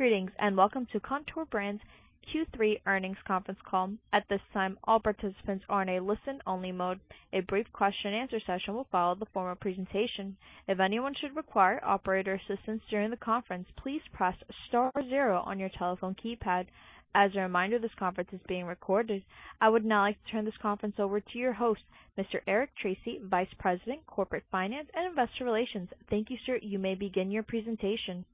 Greetings, and welcome to Kontoor Brands' Q3 earnings conference call. At this time, all participants are in a listen-only mode. A brief question and answer session will follow the formal presentation. If anyone should require operator assistance during the conference, please press star zero on your telephone keypad. As a reminder, this conference is being recorded. I would now like to turn this conference over to your host, Mr. Eric Tracy, Vice President, Corporate Finance and Investor Relations. Thank you, sir. You may begin your presentation.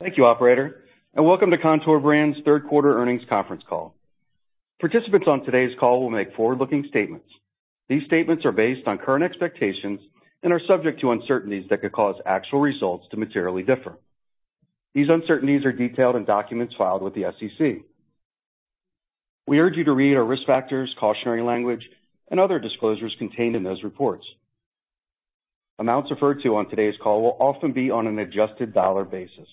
Thank you, operator, and welcome to Kontoor Brands' third quarter earnings conference call. Participants on today's call will make forward-looking statements. These statements are based on current expectations and are subject to uncertainties that could cause actual results to materially differ. These uncertainties are detailed in documents filed with the SEC. We urge you to read our risk factors, cautionary language, and other disclosures contained in those reports. Amounts referred to on today's call will often be on an adjusted dollar basis,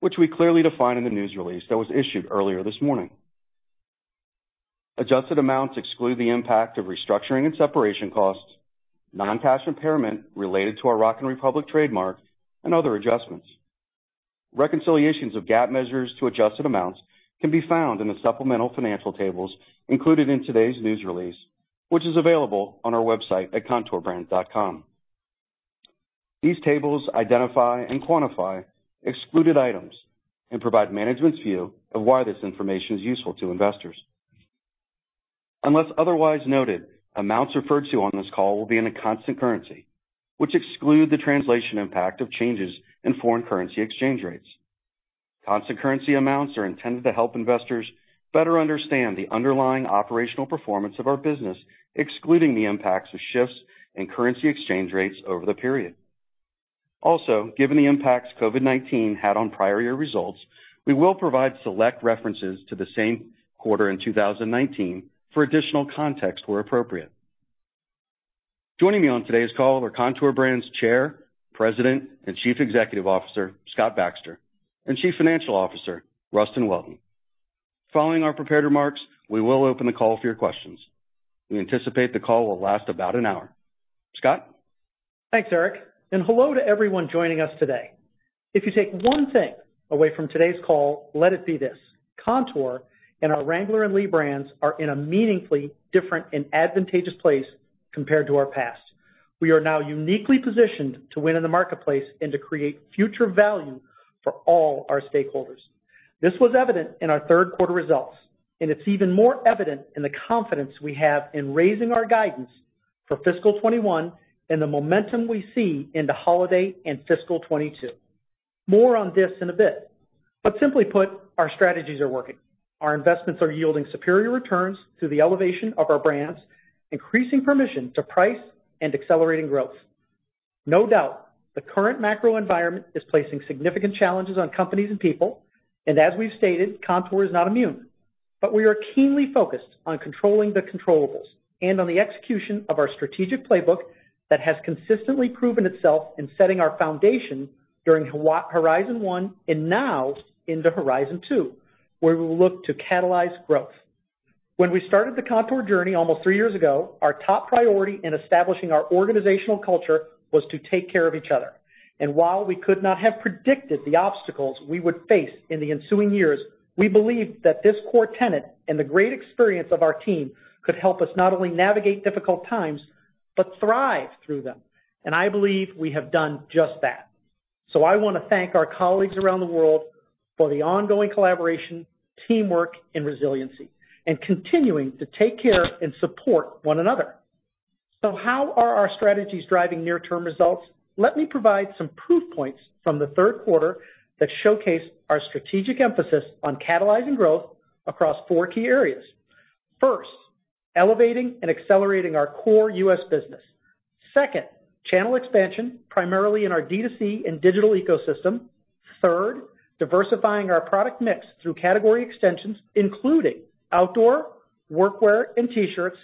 which we clearly define in the news release that was issued earlier this morning. Adjusted amounts exclude the impact of restructuring and separation costs, non-cash impairment related to our Rock & Republic trademark, and other adjustments. Reconciliations of GAAP measures to adjusted amounts can be found in the supplemental financial tables included in today's news release, which is available on our website at kontoorbrands.com. These tables identify and quantify excluded items, and provide management's view of why this information is useful to investors. Unless otherwise noted, amounts referred to on this call will be in a constant currency, which exclude the translation impact of changes in foreign currency exchange rates. Constant currency amounts are intended to help investors better understand the underlying operational performance of our business, excluding the impacts of shifts in currency exchange rates over the period. Also, given the impacts COVID-19 had on prior year results, we will provide select references to the same quarter in 2019 for additional context where appropriate. Joining me on today's call are Kontoor Brands' Chair, President, and Chief Executive Officer, Scott Baxter, and Chief Financial Officer, Rustin Welton. Following our prepared remarks, we will open the call for your questions. We anticipate the call will last about an hour. Scott? Thanks, Eric, and hello to everyone joining us today. If you take one thing away from today's call, let it be this: Kontoor and our Wrangler and Lee brands are in a meaningfully different and advantageous place compared to our past. We are now uniquely positioned to win in the marketplace and to create future value for all our stakeholders. This was evident in our third quarter results, and it's even more evident in the confidence we have in raising our guidance for fiscal 2021 and the momentum we see in the holiday and fiscal 2022. More on this in a bit, but simply put, our strategies are working. Our investments are yielding superior returns through the elevation of our brands, increasing permission to price and accelerating growth. No doubt, the current macro environment is placing significant challenges on companies and people, and as we've stated, Kontoor is not immune. We are keenly focused on controlling the controllables, and on the execution of our strategic playbook that has consistently proven itself in setting our foundation during Horizon One and now into Horizon Two, where we will look to catalyze growth. When we started the Kontoor journey almost three years ago, our top priority in establishing our organizational culture was to take care of each other. While we could not have predicted the obstacles we would face in the ensuing years, we believed that this core tenet and the great experience of our team could help us not only navigate difficult times but thrive through them. I believe we have done just that. I wanna thank our colleagues around the world for the ongoing collaboration, teamwork, and resiliency, and continuing to take care and support one another. How are our strategies driving near-term results? Let me provide some proof points from the third quarter that showcase our strategic emphasis on catalyzing growth across four key areas. First, elevating and accelerating our core U.S. business. Second, channel expansion, primarily in our D2C and digital ecosystem. Third, diversifying our product mix through category extensions, including outdoor, work wear, and T-shirts.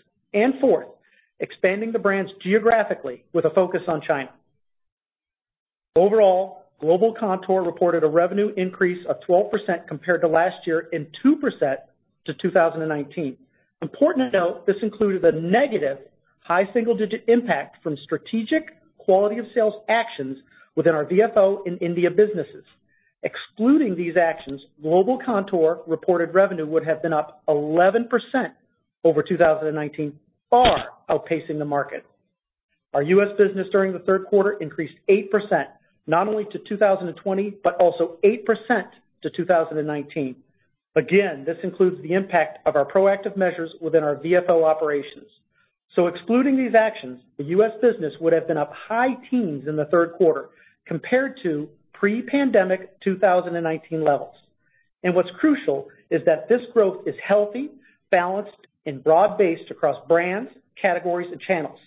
Fourth, expanding the brands geographically with a focus on China. Overall, global Kontoor reported a revenue increase of 12% compared to last year and 2% to 2019. Important to note, this included a negative high single-digit impact from strategic quality of sales actions within our VFO and India businesses. Excluding these actions, global Kontoor reported revenue would have been up 11% over 2019, far outpacing the market. Our U.S. business during the third quarter increased 8%, not only to 2020 but also 8% to 2019. Again, this includes the impact of our proactive measures within our VFO operations. Excluding these actions, the U.S. business would have been up high teens in the third quarter compared to pre-pandemic 2019 levels. What's crucial is that this growth is healthy, balanced, and broad-based across brands, categories, and channels.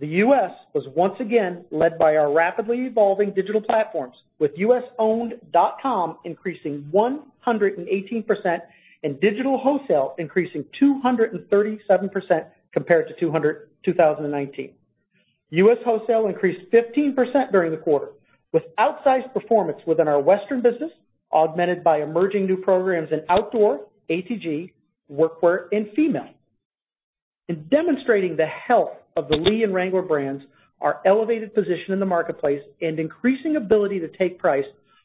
The U.S. was once again led by our rapidly evolving digital platforms, with U.S.-owned .com increasing 118% and digital wholesale increasing 237% compared to 2019. U.S. wholesale increased 15% during the quarter, with outsized performance within our Western business augmented by emerging new programs in outdoor, ATG, workwear, and female. In demonstrating the health of the Lee and Wrangler brands, our elevated position in the marketplace and increasing ability to take price,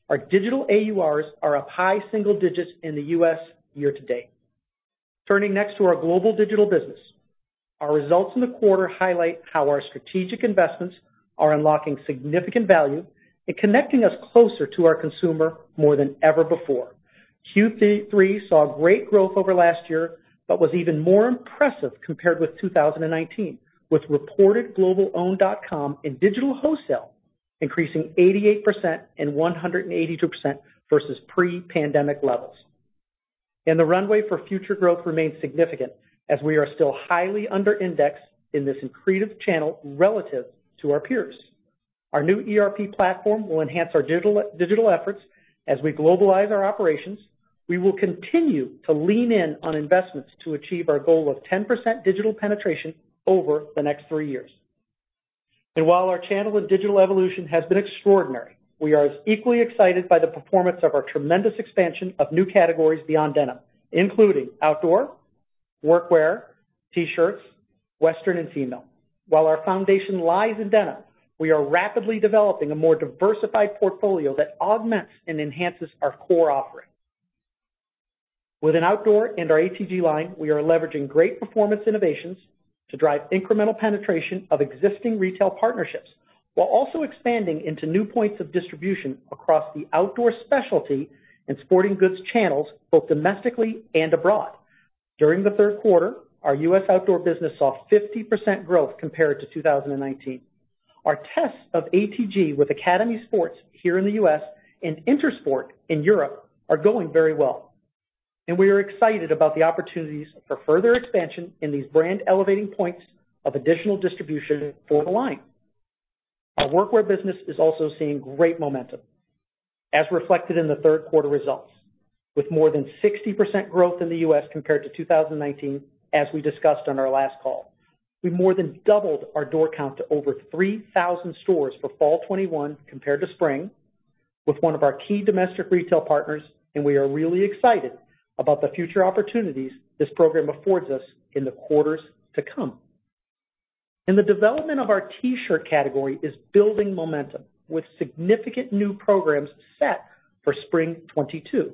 our digital AURs are up high single digits in the U.S. year to date. Turning next to our global digital business. Our results in the quarter highlight how our strategic investments are unlocking significant value and connecting us closer to our consumer more than ever before. Q3 saw great growth over last year, but was even more impressive compared with 2019, with reported global owned.com and digital wholesale increasing 88% and 182% versus pre-pandemic levels. The runway for future growth remains significant as we are still highly under indexed in this accretive channel relative to our peers. Our new ERP platform will enhance our digital efforts as we globalize our operations. We will continue to lean in on investments to achieve our goal of 10% digital penetration over the next three years. While our channel and digital evolution has been extraordinary, we are as equally excited by the performance of our tremendous expansion of new categories beyond denim, including outdoor, work wear, T-shirts, western, and female. While our foundation lies in denim, we are rapidly developing a more diversified portfolio that augments and enhances our core offering. Within outdoor and our ATG line, we are leveraging great performance innovations to drive incremental penetration of existing retail partnerships, while also expanding into new points of distribution across the outdoor specialty, and sporting goods channels, both domestically and abroad. During the third quarter, our U.S. outdoor business saw 50% growth compared to 2019. Our tests of ATG with Academy Sports here in the U.S. and Intersport in Europe are going very well, and we are excited about the opportunities for further expansion in these brand elevating points of additional distribution for the line. Our work wear business is also seeing great momentum, as reflected in the third quarter results, with more than 60% growth in the U.S. compared to 2019, as we discussed on our last call. We more than doubled our door count to over 3,000 stores for fall 2021 compared to spring with one of our key domestic retail partners, and we are really excited about the future opportunities this program affords us in the quarters to come. The development of our T-shirt category is building momentum with significant new programs set for spring 2022.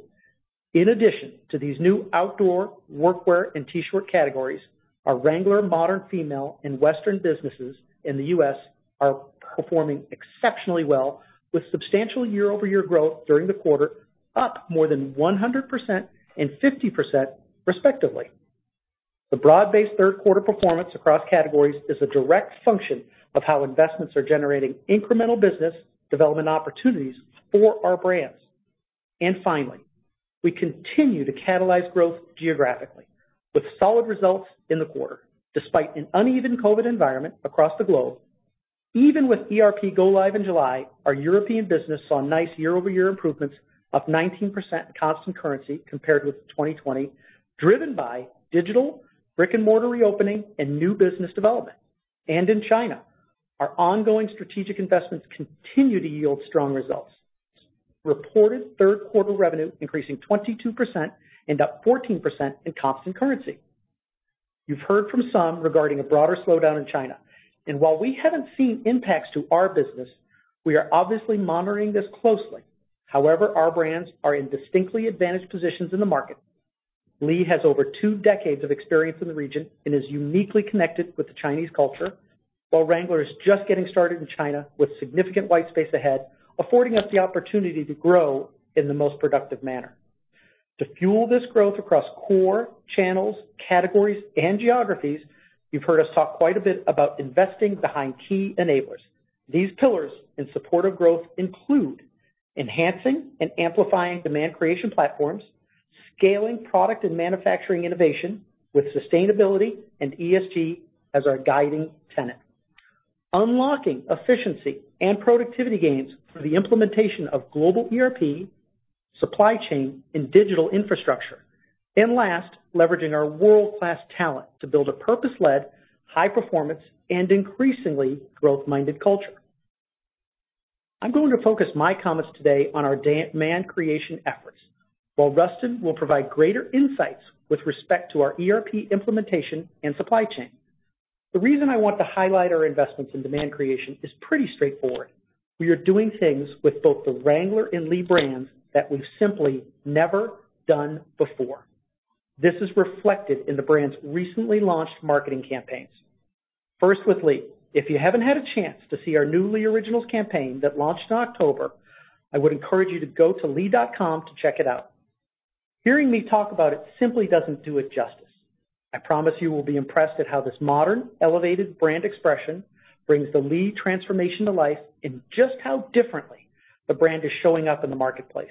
In addition to these new outdoor work wear and T-shirt categories, our Wrangler modern female and western businesses in the U.S. are performing exceptionally well with substantial year-over-year growth during the quarter, up more than 100% and 50% respectively. The broad-based third quarter performance across categories is a direct function of how investments are generating incremental business development opportunities for our brands. Finally, we continue to catalyze growth geographically with solid results in the quarter, despite an uneven COVID-19 environment across the globe. Even with ERP go live in July, our European business saw nice year-over-year improvements of 19% constant currency compared with 2020, driven by digital, brick-and-mortar reopening, and new business development. In China, our ongoing strategic investments continue to yield strong results. Reported third quarter revenue increasing 22% and up 14% in constant currency. You've heard from some regarding a broader slowdown in China, and while we haven't seen impacts to our business, we are obviously monitoring this closely. However, our brands are in distinctly advantaged positions in the market. Lee has over two decades of experience in the region, and is uniquely connected with the Chinese culture, while Wrangler is just getting started in China with significant white space ahead, affording us the opportunity to grow in the most productive manner. To fuel this growth across core channels, categories, and geographies, you've heard us talk quite a bit about investing behind key enablers. These pillars in support of growth include enhancing and amplifying demand creation platforms, scaling product and manufacturing innovation with sustainability and ESG as our guiding tenet. Unlocking efficiency and productivity gains through the implementation of global ERP, supply chain, and digital infrastructure. Last, leveraging our world-class talent to build a purpose-led, high performance, and increasingly growth-minded culture. I'm going to focus my comments today on our demand creation efforts, while Rustin will provide greater insights with respect to our ERP implementation and supply chain. The reason I want to highlight our investments in demand creation is pretty straightforward. We are doing things with both the Wrangler and Lee brands that we've simply never done before. This is reflected in the brands' recently launched marketing campaigns. First with Lee. If you haven't had a chance to see our new Lee Originals campaign that launched in October, I would encourage you to go to lee.com to check it out. Hearing me talk about it simply doesn't do it justice. I promise you will be impressed at how this modern, elevated brand expression brings the Lee transformation to life, and just how differently the brand is showing up in the marketplace.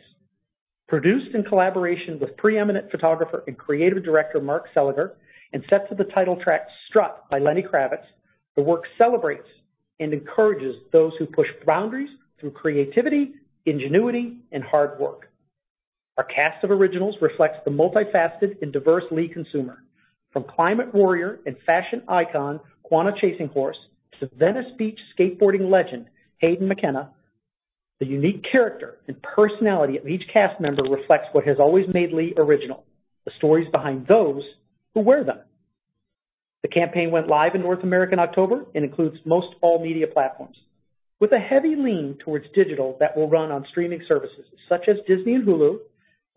Produced in collaboration with preeminent photographer and creative director Mark Seliger, and set to the title track Strut by Lenny Kravitz, the work celebrates and encourages those who push boundaries through creativity, ingenuity, and hard work. Our cast of originals reflects the multifaceted and diverse Lee consumer, from climate warrior and fashion icon Quannah ChasingHorse to Venice Beach skateboarding legend Haden McKenna. The unique character and personality of each cast member reflects what has always made Lee original, the stories behind those who wear them. The campaign went live in North America in October and includes most all media platforms, with a heavy lean towards digital that will run on streaming services such as Disney and Hulu,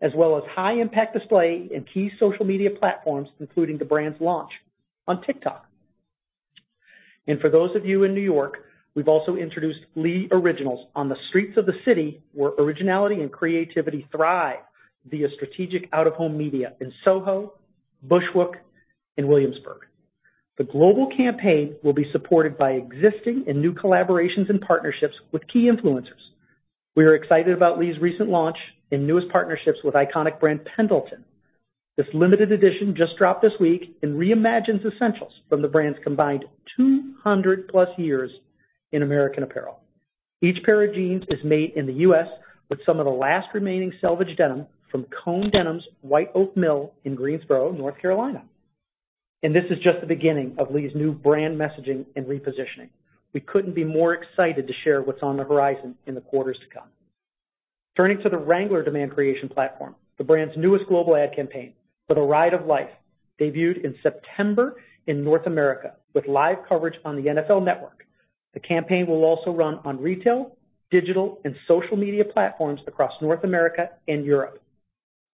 as well as high impact display in key social media platforms, including the brand's launch on TikTok. For those of you in New York, we've also introduced Lee Originals on the streets of the city where originality and creativity thrive via strategic out-of-home media in Soho, Bushwick, and Williamsburg. The global campaign will be supported by existing and new collaborations and partnerships with key influencers. We are excited about Lee's recent launch and newest partnerships with iconic brand Pendleton. This limited edition just dropped this week and reimagines essentials from the brand's combined 200+ years in American apparel. Each pair of jeans is made in the U.S. with some of the last remaining selvedge denim from Cone Denim's White Oak Mill in Greensboro, North Carolina. This is just the beginning of Lee's new brand messaging, and repositioning. We couldn't be more excited to share what's on the horizon in the quarters to come. Turning to the Wrangler demand creation platform, the brand's newest global ad campaign, For the Ride of Life, debuted in September in North America with live coverage on the NFL Network. The campaign will also run on retail, digital, and social media platforms across North America and Europe.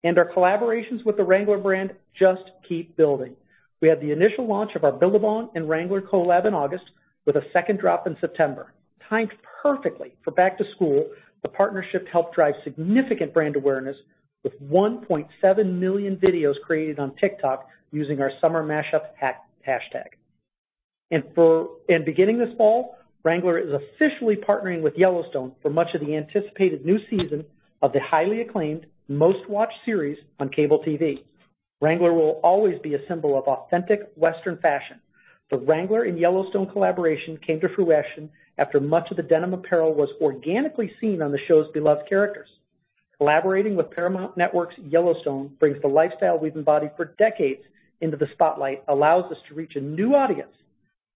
Our collaborations with the Wrangler brand just keep building. We had the initial launch of our Billabong and Wrangler collab in August with a second drop in September. Timed perfectly for back to school, the partnership helped drive significant brand awareness with 1.7 million videos created on TikTok using our summer mashup hashtag. Beginning this fall, Wrangler is officially partnering with Yellowstone for the much-anticipated new season of the highly acclaimed, most watched series on cable TV. Wrangler will always be a symbol of authentic Western fashion. The Wrangler and Yellowstone collaboration came to fruition after much of the denim apparel was organically seen on the show's beloved characters. Collaborating with Paramount Network's Yellowstone brings the lifestyle we've embodied for decades into the spotlight, allows us to reach a new audience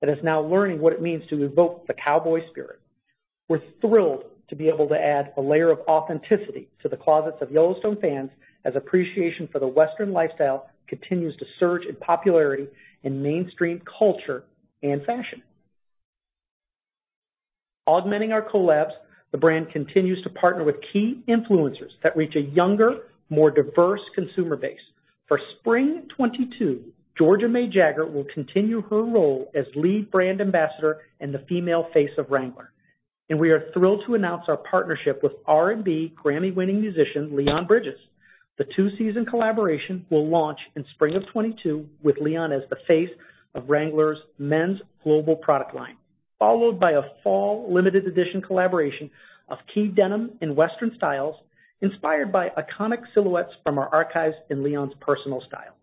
that is now learning what it means to evoke the cowboy spirit. We're thrilled to be able to add a layer of authenticity to the closets of Yellowstone fans as appreciation for the Western lifestyle continues to surge in popularity in mainstream culture and fashion. Augmenting our collabs, the brand continues to partner with key influencers that reach a younger, more diverse consumer base. For spring 2022, Georgia May Jagger will continue her role as lead brand ambassador and the female face of Wrangler. We are thrilled to announce our partnership with R&B GRAMMY-winning musician Leon Bridges. The two-season collaboration will launch in spring of 2022 with Leon as the face of Wrangler's men's global product line, followed by a fall limited edition collaboration of key denim and Western styles inspired by iconic silhouettes from our archives and Leon's personal style.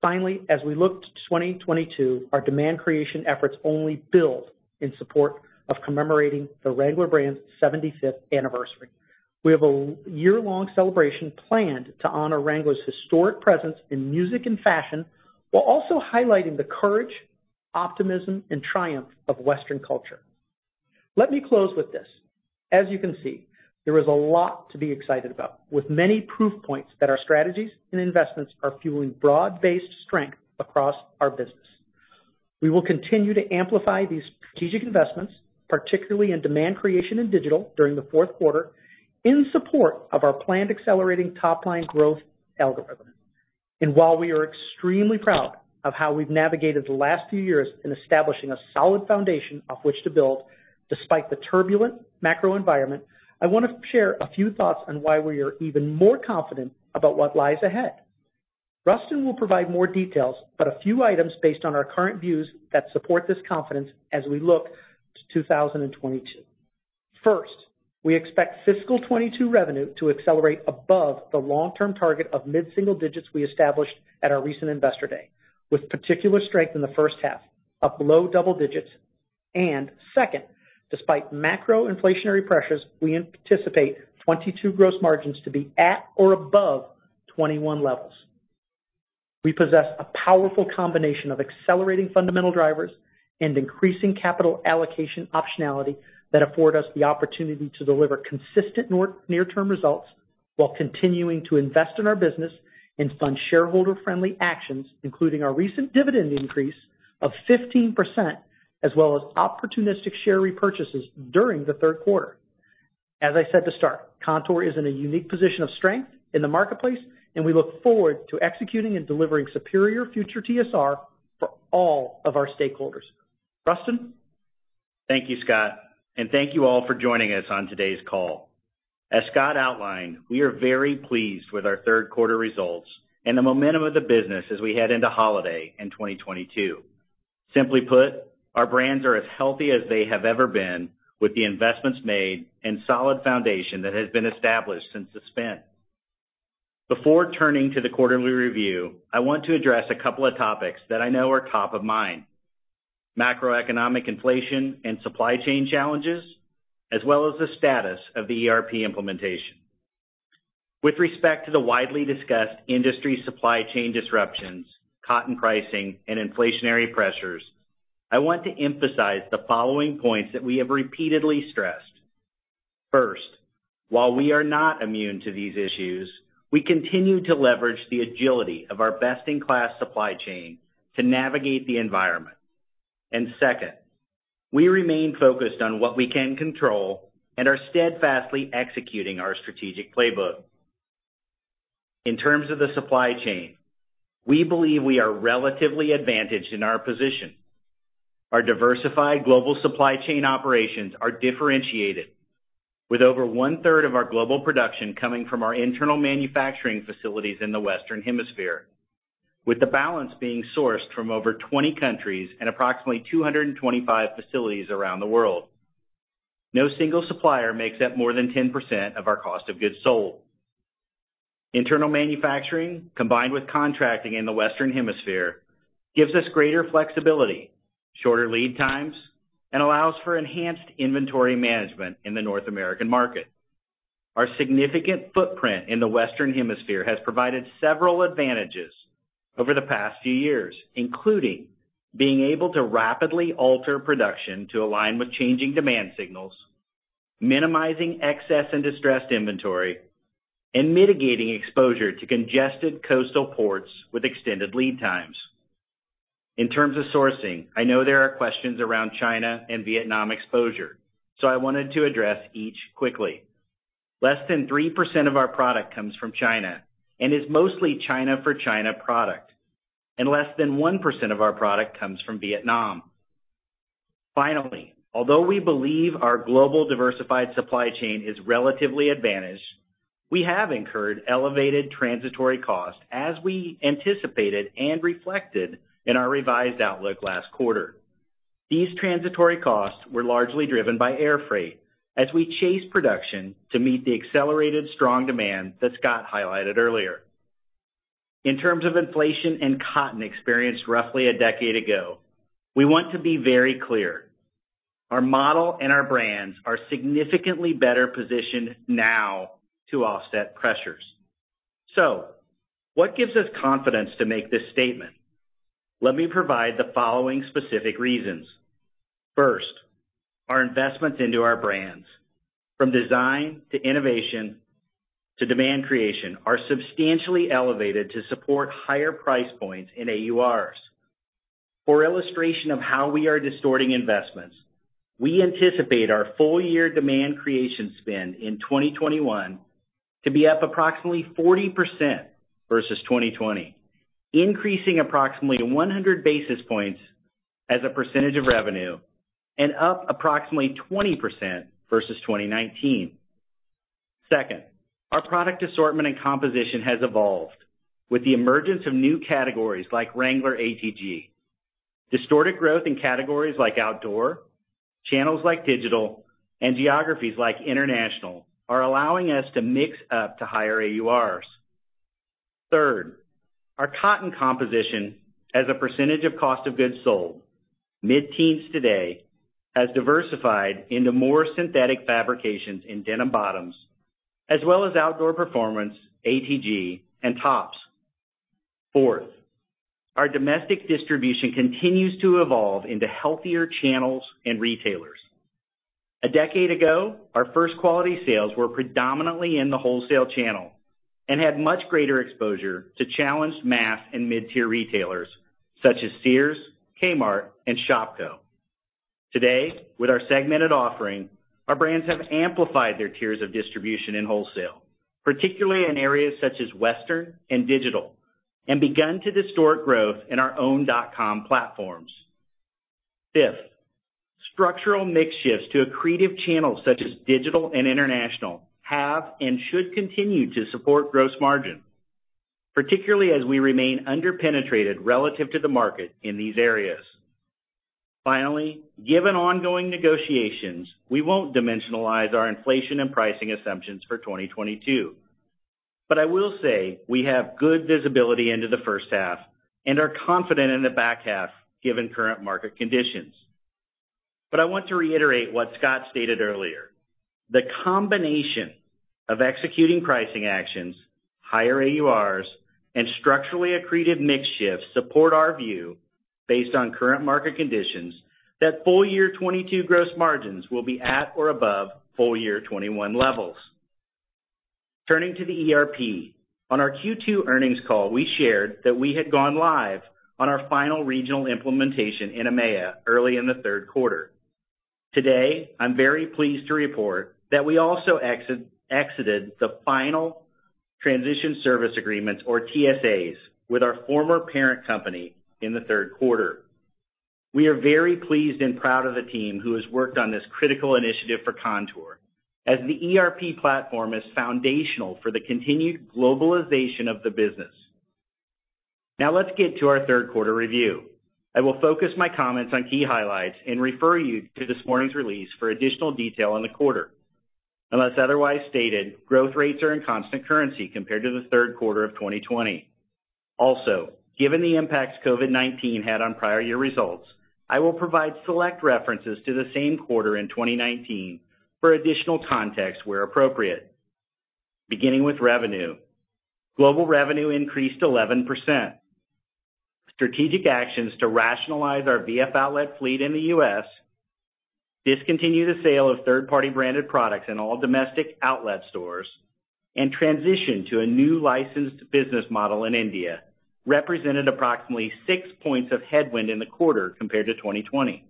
Finally, as we look to 2022, our demand creation efforts only build in support of commemorating the Wrangler brand's seventy-fifth anniversary. We have a year-long celebration planned to honor Wrangler's historic presence in music and fashion while also highlighting the courage, optimism, and triumph of Western culture. Let me close with this. As you can see, there is a lot to be excited about, with many proof points that our strategies and investments are fueling broad-based strength across our business. We will continue to amplify these strategic investments, particularly in demand creation and digital during the fourth quarter, in support of our planned accelerating top-line growth algorithm. While we are extremely proud of how we've navigated the last few years in establishing a solid foundation of which to build despite the turbulent macro environment, I wanna share a few thoughts on why we are even more confident about what lies ahead. Rustin will provide more details, but a few items based on our current views that support this confidence as we look to 2022. First, we expect fiscal 2022 revenue to accelerate above the long-term target of mid-single digits% we established at our recent Investor Day, with particular strength in the first half of low double digits%. Second, despite macro inflationary pressures, we anticipate 2022 gross margins to be at or above 2021 levels. We possess a powerful combination of accelerating fundamental drivers and increasing capital allocation optionality that afford us the opportunity to deliver consistent near-term results while continuing to invest in our business, and fund shareholder-friendly actions, including our recent dividend increase of 15% as well as opportunistic share repurchases during the third quarter. As I said to start, Kontoor is in a unique position of strength in the marketplace, and we look forward to executing and delivering superior future TSR for all of our stakeholders. Rustin. Thank you, Scott, and thank you all for joining us on today's call. As Scott outlined, we are very pleased with our third quarter results and the momentum of the business as we head into holidays in 2022. Simply put, our brands are as healthy as they have ever been with the investments made and solid foundation that has been established since the spin. Before turning to the quarterly review, I want to address a couple of topics that I know are top of mind: macroeconomic inflation, and supply chain challenges, as well as the status of the ERP implementation. With respect to the widely discussed industry supply chain disruptions, cotton pricing, and inflationary pressures, I want to emphasize the following points that we have repeatedly stressed. First, while we are not immune to these issues, we continue to leverage the agility of our best-in-class supply chain to navigate the environment. Second, we remain focused on what we can control and are steadfastly executing our strategic playbook. In terms of the supply chain, we believe we are relatively advantaged in our position. Our diversified global supply chain operations are differentiated, with over one-third of our global production coming from our internal manufacturing facilities in the Western Hemisphere, with the balance being sourced from over 20 countries and approximately 225 facilities around the world. No single supplier makes up more than 10% of our cost of goods sold. Internal manufacturing, combined with contracting in the Western Hemisphere, gives us greater flexibility, shorter lead times, and allows for enhanced inventory management in the North American market. Our significant footprint in the Western Hemisphere has provided several advantages over the past few years, including being able to rapidly alter production to align with changing demand signals, minimizing excess and distressed inventory, and mitigating exposure to congested coastal ports with extended lead times. In terms of sourcing, I know there are questions around China and Vietnam exposure, so I wanted to address each quickly. Less than 3% of our product comes from China and is mostly China for China product, and less than 1% of our product comes from Vietnam. Finally, although we believe our global diversified supply chain is relatively advantaged, we have incurred elevated transitory costs as we anticipated and reflected in our revised outlook last quarter. These transitory costs were largely driven by air freight as we chase production to meet the accelerated strong demand that Scott highlighted earlier. In terms of inflation and cotton experienced roughly a decade ago, we want to be very clear. Our model and our brands are significantly better positioned now to offset pressures. What gives us confidence to make this statement? Let me provide the following specific reasons. First, our investments into our brands, from design to innovation to demand creation, are substantially elevated to support higher price points in AURs. For illustration of how we are distorting investments, we anticipate our full year demand creation spend in 2021 to be up approximately 40% versus 2020, increasing approximately 100 basis points as a percentage of revenue and up approximately 20% versus 2019. Second, our product assortment and composition has evolved with the emergence of new categories like Wrangler ATG. Distorted growth in categories like outdoor, channels like digital, and geographies like international are allowing us to mix up to higher AURs. Third, our cotton composition as a percentage of cost of goods sold mid-teens today has diversified into more synthetic fabrications in denim bottoms as well as outdoor performance, ATG and tops. Fourth, our domestic distribution continues to evolve into healthier channels and retailers. A decade ago, our first quality sales were predominantly in the wholesale channel and had much greater exposure to challenged mass and mid-tier retailers such as Sears, Kmart and Shopko. Today, with our segmented offering, our brands have amplified their tiers of distribution in wholesale, particularly in areas such as western and digital, and begun to distort growth in our own dot-com platforms. Fifth, structural mix shifts to accretive channels such as digital and international have and should continue to support gross margin, particularly as we remain underpenetrated relative to the market in these areas. Finally, given ongoing negotiations, we won't dimensionalize our inflation and pricing assumptions for 2022. I will say we have good visibility into the first half, and are confident in the back half given current market conditions. I want to reiterate what Scott stated earlier. The combination of executing pricing actions, higher AURs and structurally accretive mix shifts support our view based on current market conditions that full year 2022 gross margins will be at or above full year 2021 levels. Turning to the ERP. On our Q2 earnings call, we shared that we had gone live on our final regional implementation in EMEA early in the third quarter. Today, I'm very pleased to report that we also exited the final transition service agreements or TSAs with our former parent company in the third quarter. We are very pleased and proud of the team who has worked on this critical initiative for Kontoor as the ERP platform is foundational for the continued globalization of the business. Now let's get to our third quarter review. I will focus my comments on key highlights and refer you to this morning's release for additional detail on the quarter. Unless otherwise stated, growth rates are in constant currency compared to the third quarter of 2020. Given the impacts COVID-19 had on prior year results, I will provide select references to the same quarter in 2019 for additional context where appropriate. Beginning with revenue. Global revenue increased 11%. Strategic actions to rationalize our VF outlet fleet in the U.S., discontinue the sale of third-party branded products in all domestic outlet stores, and transition to a new licensed business model in India represented approximately 6 points of headwind in the quarter compared to 2020.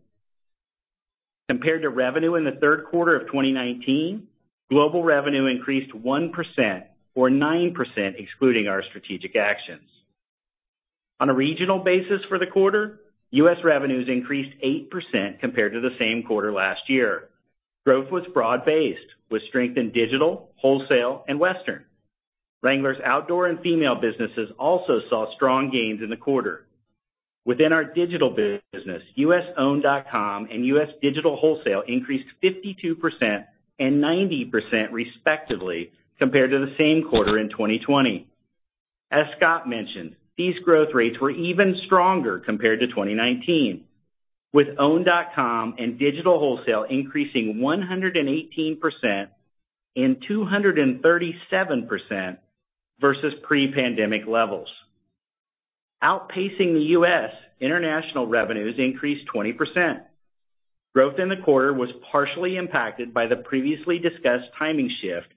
Compared to revenue in the third quarter of 2019, global revenue increased 1% or 9% excluding our strategic actions. On a regional basis for the quarter, U.S. revenues increased 8% compared to the same quarter last year. Growth was broad-based, with strength in digital, wholesale, and Western. Wrangler's outdoor and female businesses also saw strong gains in the quarter. Within our digital business, usowned.com and U.S. digital wholesale increased 52% and 90% respectively compared to the same quarter in 2020. As Scott mentioned, these growth rates were even stronger compared to 2019, with owned.com and digital wholesale increasing 118% and 237% versus pre-pandemic levels. Outpacing the U.S., international revenues increased 20%. Growth in the quarter was partially impacted by the previously discussed timing shift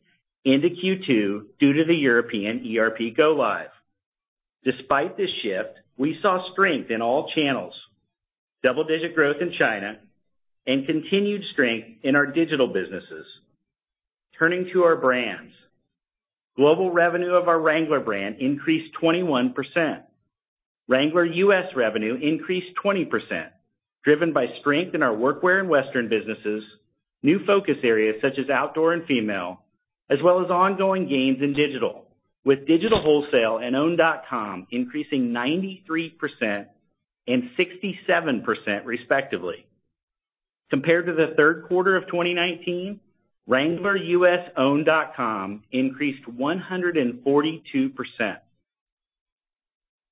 into Q2 due to the European ERP go live. Despite this shift, we saw strength in all channels, double-digit growth in China, and continued strength in our digital businesses. Turning to our brands. Global revenue of our Wrangler brand increased 21%. Wrangler U.S. revenue increased 20%, driven by strength in our work wear, and western businesses, new focus areas such as outdoor and female, as well as ongoing gains in digital, with digital wholesale and owned.com increasing 93% and 67% respectively. Compared to the third quarter of 2019, Wrangler U.S. e-com increased 142%.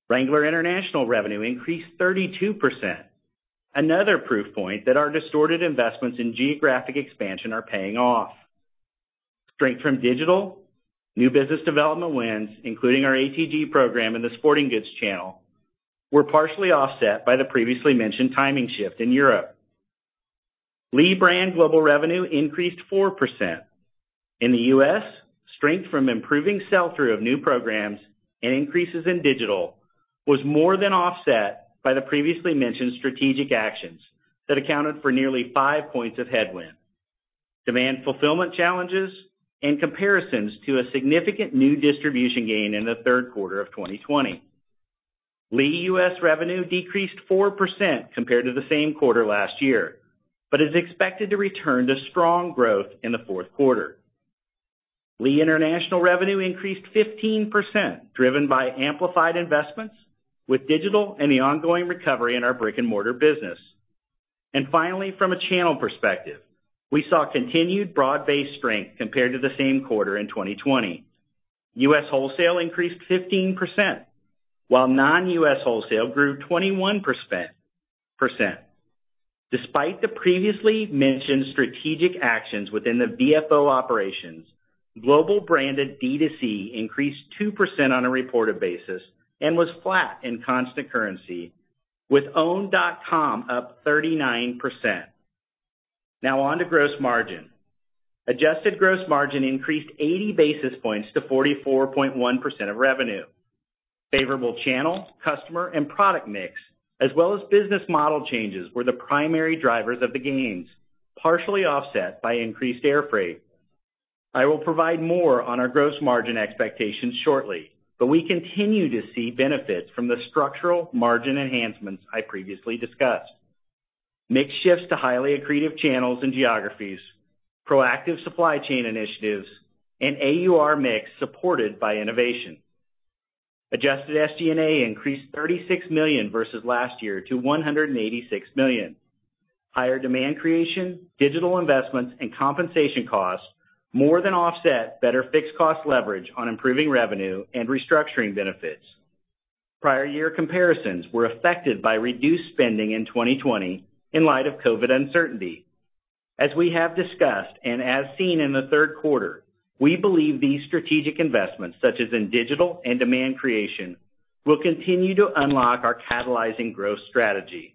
Wrangler international revenue increased 32%. Another proof point that our strategic investments in geographic expansion are paying off. Strength from digital, new business development wins, including our ATG program and the sporting goods channel, were partially offset by the previously mentioned timing shift in Europe. Lee brand global revenue increased 4%. In the U.S., strength from improving sell-through of new programs and increases in digital was more than offset by the previously mentioned strategic actions that accounted for nearly 5 points of headwind, demand fulfillment challenges and comparisons to a significant new distribution gain in the third quarter of 2020. Lee U.S. revenue decreased 4% compared to the same quarter last year, but is expected to return to strong growth in the fourth quarter. Lee international revenue increased 15%, driven by amplified investments with digital and the ongoing recovery in our brick-and-mortar business. Finally, from a channel perspective, we saw continued broad-based strength compared to the same quarter in 2020. U.S. wholesale increased 15%, while non-U.S. wholesale grew 21%. Despite the previously mentioned strategic actions within the VFO operations, global branded D2C increased 2% on a reported basis and was flat in constant currency, with owned.com up 39%. Now on to gross margin. Adjusted gross margin increased 80 basis points to 44.1% of revenue. Favorable channel, customer, and product mix, as well as business model changes were the primary drivers of the gains, partially offset by increased air freight. I will provide more on our gross margin expectations shortly, but we continue to see benefits from the structural margin enhancements I previously discussed. Mix shifts to highly accretive channels and geographies, proactive supply chain initiatives, and AUR mix supported by innovation. Adjusted SG&A increased $36 million versus last year to $186 million. Higher demand creation, digital investments, and compensation costs more than offset better fixed cost leverage on improving revenue and restructuring benefits. Prior year comparisons were affected by reduced spending in 2020 in light of COVID uncertainty. As we have discussed and as seen in the third quarter, we believe these strategic investments, such as in digital and demand creation, will continue to unlock our catalyzing growth strategy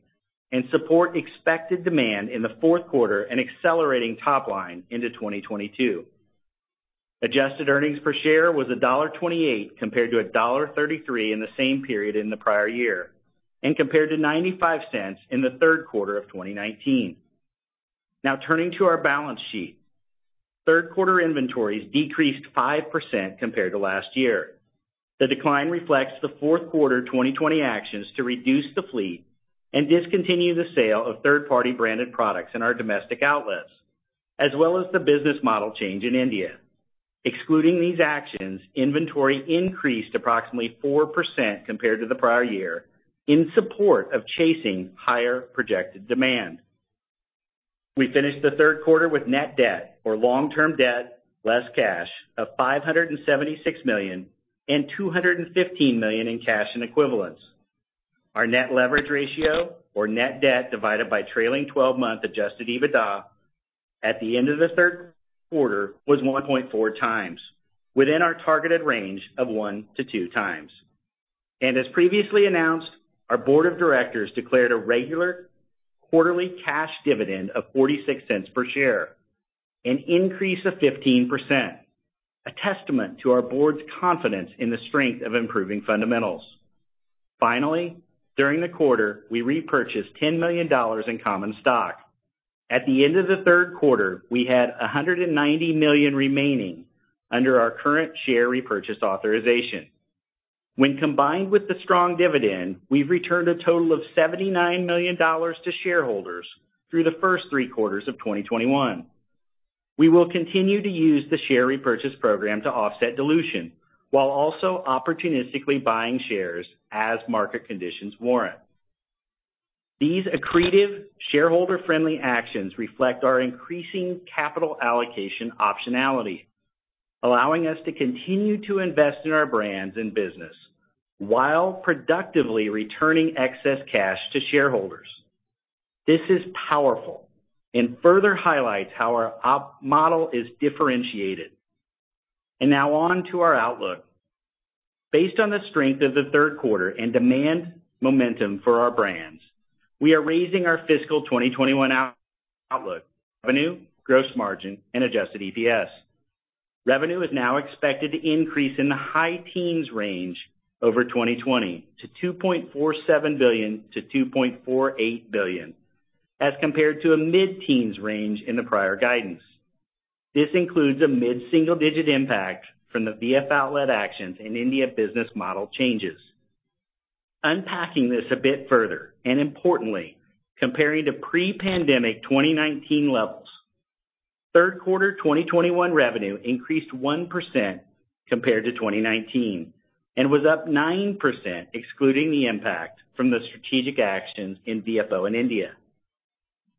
and support expected demand in the fourth quarter and accelerating top line into 2022. Adjusted earnings per share was $1.28 compared to $1.33 in the same period in the prior year, and compared to $0.95 in the third quarter of 2019. Now turning to our balance sheet. Third quarter inventories decreased 5% compared to last year. The decline reflects the fourth quarter 2020 actions to reduce the fleet and discontinue the sale of third-party branded products in our domestic outlets, as well as the business model change in India. Excluding these actions, inventory increased approximately 4% compared to the prior year in support of chasing higher projected demand. We finished the third quarter with net debt (or long-term debt less cash) of $576 million and $215 million in cash and equivalents. Our net leverage ratio (or net debt divided by trailing twelve-month adjusted EBITDA) at the end of the third quarter was 1.4x within our targeted range of 1-2x. As previously announced, our board of directors declared a regular quarterly cash dividend of $0.46 per share, an increase of 15%, a testament to our board's confidence in the strength of improving fundamentals. Finally, during the quarter, we repurchased $10 million in common stock. At the end of the third quarter, we had $190 million remaining under our current share repurchase authorization. When combined with the strong dividend, we've returned a total of $79 million to shareholders through the first three quarters of 2021. We will continue to use the share repurchase program to offset dilution while also opportunistically buying shares as market conditions warrant. These accretive shareholder-friendly actions reflect our increasing capital allocation optionality, allowing us to continue to invest in our brands and business while productively returning excess cash to shareholders. This is powerful and further highlights how our op model is differentiated. Now on to our outlook. Based on the strength of the third quarter and demand momentum for our brands, we are raising our fiscal 2021 outlook, revenue, gross margin, and adjusted EPS. Revenue is now expected to increase in the high teens range over 2020 to $2.47 billion-$2.48 billion, as compared to a mid-teens range in the prior guidance. This includes a mid-single-digit impact from the VF outlet actions and India business model changes. Unpacking this a bit further, and importantly, comparing to pre-pandemic 2019 levels, third quarter 2021 revenue increased 1% compared to 2019 and was up 9% excluding the impact from the strategic actions in VFO and India.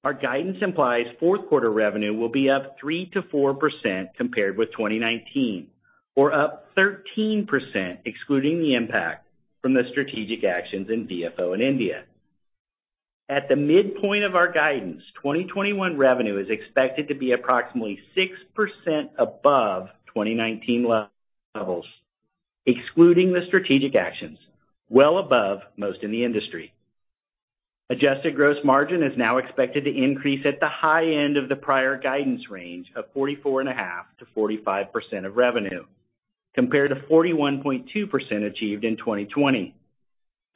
Our guidance implies fourth quarter revenue will be up 3%-4% compared with 2019 or up 13% excluding the impact from the strategic actions in VFO and India. At the midpoint of our guidance, 2021 revenue is expected to be approximately 6% above 2019 levels, excluding the strategic actions, well above most in the industry. Adjusted gross margin is now expected to increase at the high end of the prior guidance range of 44.5%-45% of revenue, compared to 41.2% achieved in 2020.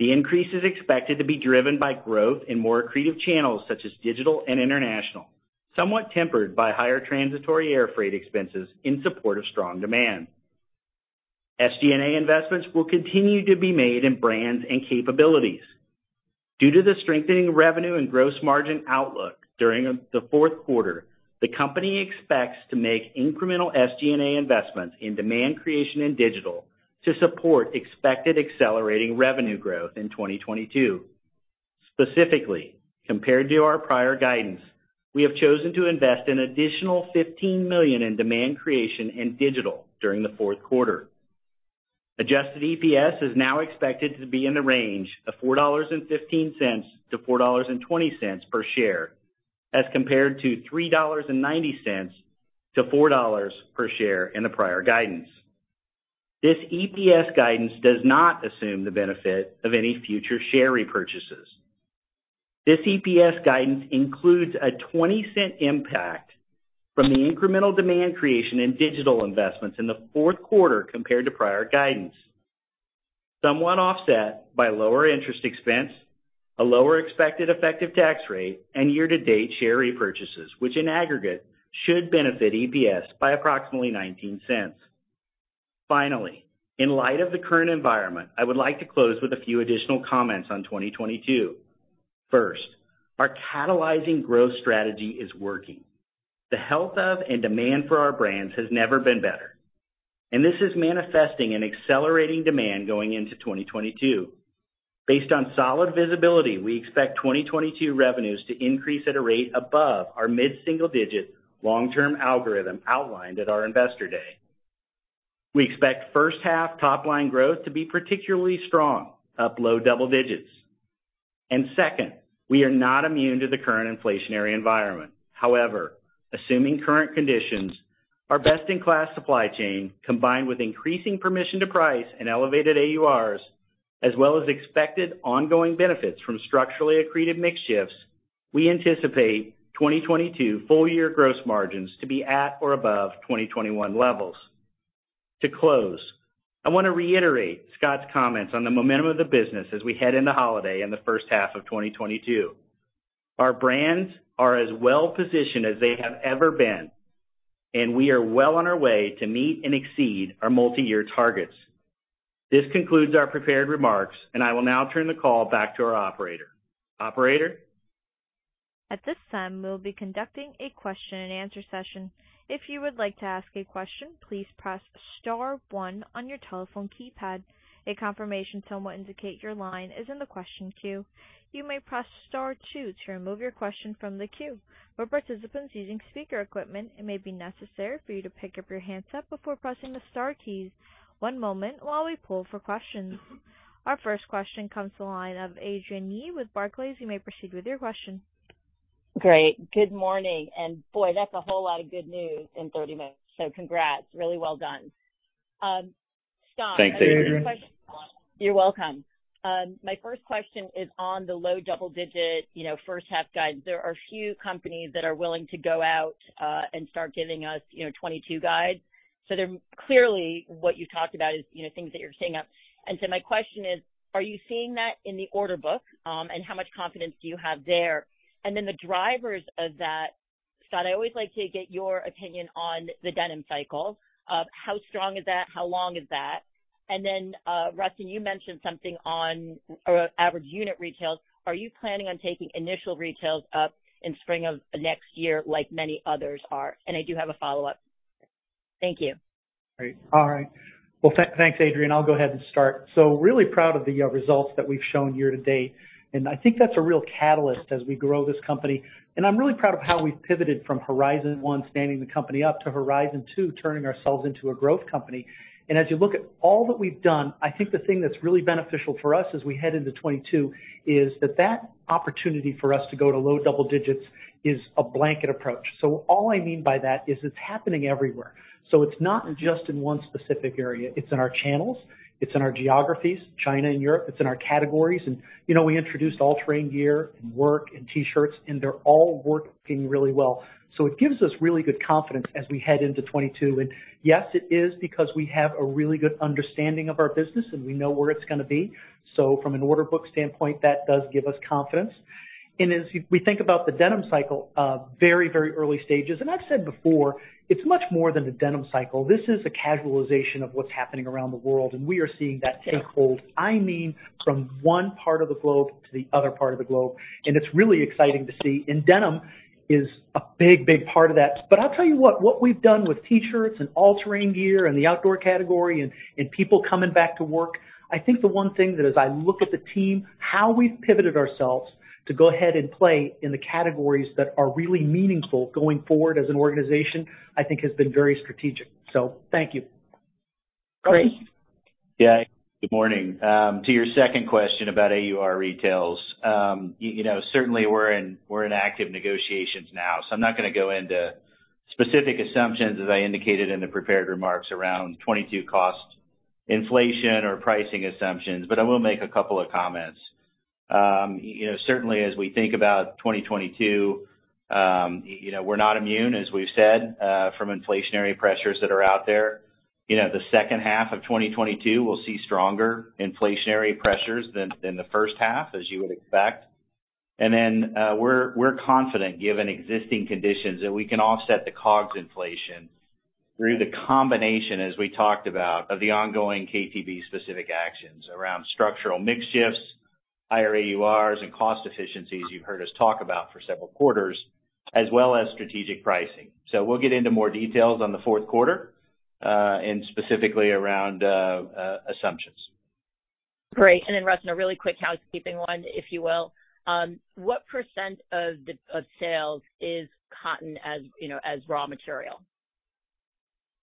The increase is expected to be driven by growth in more accretive channels such as digital and international, somewhat tempered by higher transitory air freight expenses in support of strong demand. SG&A investments will continue to be made in brands and capabilities. Due to the strengthening revenue and gross margin outlook during the fourth quarter, the company expects to make incremental SG&A investments in demand creation and digital to support expected accelerating revenue growth in 2022. Specifically, compared to our prior guidance, we have chosen to invest an additional $15 million in demand creation and digital during the fourth quarter. Adjusted EPS is now expected to be in the range of $4.15-$4.20 per share, as compared to $3.90-$4 per share in the prior guidance. This EPS guidance does not assume the benefit of any future share repurchases. This EPS guidance includes a $0.20 impact from the incremental demand creation and digital investments in the fourth quarter compared to prior guidance, somewhat offset by lower interest expense, a lower expected effective tax rate, and year-to-date share repurchases, which in aggregate should benefit EPS by approximately $0.19. Finally, in light of the current environment, I would like to close with a few additional comments on 2022. First, our catalyzing growth strategy is working. The health of and demand for our brands has never been better, and this is manifesting in accelerating demand going into 2022. Based on solid visibility, we expect 2022 revenues to increase at a rate above our mid-single digit long-term algorithm outlined at our Investor Day. We expect first half top line growth to be particularly strong, up low double digits. Second, we are not immune to the current inflationary environment. However, assuming current conditions, our best-in-class supply chain, combined with increasing permission to price and elevated AURs, as well as expected ongoing benefits from structurally accretive mix shifts, we anticipate 2022 full year gross margins to be at or above 2021 levels. To close, I wanna reiterate Scott's comments on the momentum of the business as we head into holiday in the first half of 2022. Our brands are as well-positioned as they have ever been, and we are well on our way to meet and exceed our multi-year targets. This concludes our prepared remarks, and I will now turn the call back to our operator. Operator? At this time, we'll be conducting a question and answer session. If you would like to ask a question, please press star one on your telephone keypad. A confirmation tone will indicate your line is in the question queue. You may press star two to remove your question from the queue. For participants using speaker equipment, it may be necessary for you to pick up your handset before pressing the star keys. One moment while we pull for questions. Our first question comes to the line of Adrienne Yih with Barclays. You may proceed with your question. Great. Good morning. Boy, that's a whole lot of good news in 30 minutes. Congrats. Really well done. Scott. Thanks, Adrienne. You're welcome. My first question is on the low double-digit, you know, first-half guides. There are a few companies that are willing to go out and start giving us, you know, 2022 guides. They're clearly what you talked about is, you know, things that you're seeing up. My question is, are you seeing that in the order book? And how much confidence do you have there? And then the drivers of that. Scott, I always like to get your opinion on the denim cycle. How strong is that? How long is that? And then, Rustin, you mentioned something on average unit retails. Are you planning on taking initial retails up in spring of next year like many others are? And I do have a follow-up. Thank you. Great. All right. Well, thanks, Adrienne. I'll go ahead and start. Really proud of the results that we've shown year to date, and I think that's a real catalyst as we grow this company. I'm really proud of how we've pivoted from Horizon 1, standing the company up, to Horizon 2, turning ourselves into a growth company. As you look at all that we've done, I think the thing that's really beneficial for us as we head into 2022 is that that opportunity for us to go to low double digits is a blanket approach. All I mean by that is it's happening everywhere. It's not just in one specific area. It's in our channels, it's in our geographies, China and Europe. It's in our categories. You know, we introduced All Terrain Gear and work and T-shirts, and they're all working really well. It gives us really good confidence as we head into 2022. Yes, it is because we have a really good understanding of our business, and we know where it's gonna be. From an order book standpoint, that does give us confidence. As we think about the denim cycle, very early stages. I've said before, it's much more than the denim cycle. This is a casualization of what's happening around the world, and we are seeing that take hold, I mean, from one part of the globe to the other part of the globe, and it's really exciting to see. Denim is a big part of that. I'll tell you what we've done with T-shirts and All Terrain Gear and the outdoor category and people coming back to work. I think the one thing that as I look at the team, how we've pivoted ourselves to go ahead and play in the categories that are really meaningful going forward as an organization, I think has been very strategic. Thank you. Great. Yeah. Good morning. To your second question about AUR retail. You know, certainly we're in active negotiations now, so I'm not gonna go into specific assumptions as I indicated in the prepared remarks around 2022 cost inflation or pricing assumptions, but I will make a couple of comments. You know, certainly as we think about 2022, you know, we're not immune, as we've said, from inflationary pressures that are out there. You know, the second half of 2022, we'll see stronger inflationary pressures than the first half, as you would expect. We're confident, given existing conditions, that we can offset the COGS inflation through the combination, as we talked about, of the ongoing KTB specific actions around structural mix shifts, higher AURs and cost efficiencies you've heard us talk about for several quarters, as well as strategic pricing. We'll get into more details on the fourth quarter, and specifically around assumptions. Great. Rustin, a really quick housekeeping one, if you will. What % of sales is cotton, as you know, as raw material?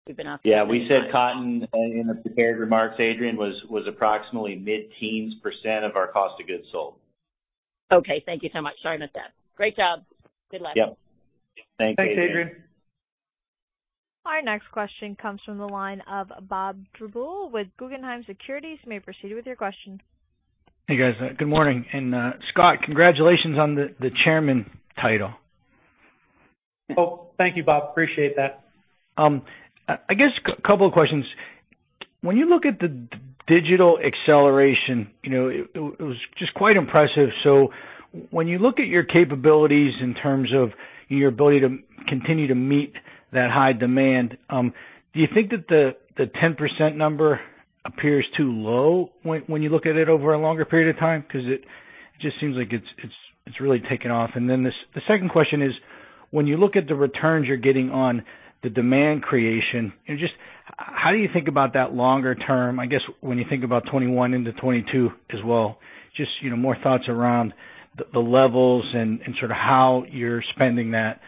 We've been asking- Yeah. We said cotton in the prepared remarks, Adrienne, was approximately mid-teens% of our cost of goods sold. Okay. Thank you so much. Sorry about that. Great job. Good luck. Yep. Thanks, Adrienne. Thanks, Adrienne. Our next question comes from the line of Bob Drbul with Guggenheim Securities. You may proceed with your question. Hey, guys. Good morning. Scott, congratulations on the chairman title. Oh, thank you, Bob. Appreciate that. I guess couple of questions. When you look at the digital acceleration, you know, it was just quite impressive. When you look at your capabilities in terms of your ability to continue to meet that high demand, do you think that the 10% number appears too low when you look at it over a longer period of time? 'Cause it just seems like it's really taken off. The second question is, when you look at the returns you're getting on the demand creation and just how do you think about that longer term? I guess when you think about 2021 into 2022 as well, just, you know, more thoughts around the levels and sort of how you're spending that.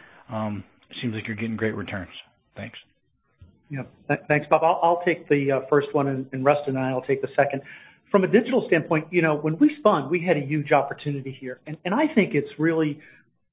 Seems like you're getting great returns. Thanks. Yeah. Thanks, Bob. I'll take the first one and Rustin and I will take the second. From a digital standpoint, you know, when we spun, we had a huge opportunity here, and I think it's really